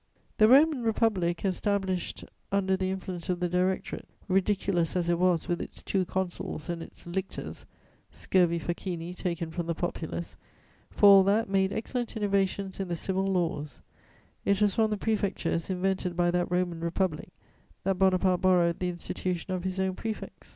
The "Roman Republic," established under the influence of the Directorate, ridiculous as it was with its two "consuls" and its "lictors" (scurvy facchini taken from the populace), for all that, made excellent innovations in the civil laws: it was from the prefectures, invented by that "Roman Republic," that Bonaparte borrowed the institution of his own prefects.